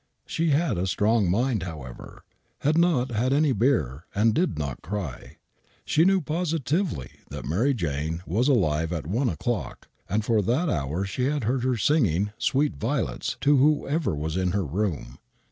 She had a strong mind, however, had not had any beer,, and did not cry. She knew positively that Mary Jane was alive at one o'clock, for at that hour she had heard her singing " Sweet Violets " to whoever was in her room.